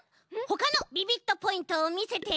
ほかのビビットポイントをみせて！